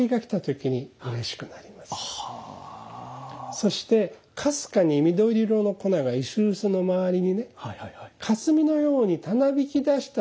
そしてかすかに緑色の粉が石臼の周りにねかすみのようにたなびきだした瞬間に次の喜びがあります。